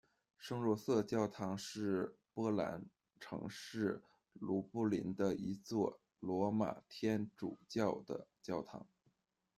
圣若瑟教堂是波兰城市卢布林的一座罗马天主教的教堂。